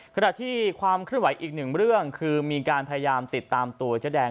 ขณะที่ความเคลื่อนไหวอีกหนึ่งเรื่องคือมีการพยายามติดตามตัวเจ๊แดง